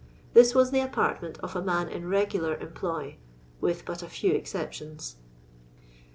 This was the apartment of a man in reguhir employ (with but a few excep tions).